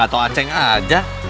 atau acek aja